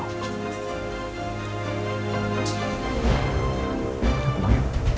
aku mau lihat